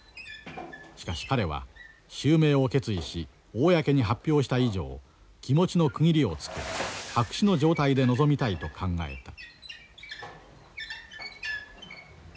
しかし彼は襲名を決意し公に発表した以上気持ちの区切りをつけ白紙の状態で臨みたいと考えた。